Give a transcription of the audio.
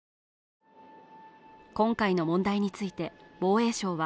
今回の問題について防衛省は